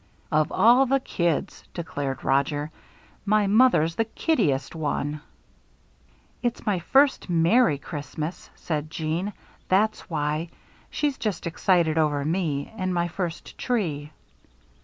"Of all the kids," declared Roger, "my mother's the kiddiest one." "It's my first merry Christmas," said Jeanne. "That's why. She's just excited over me and my first tree."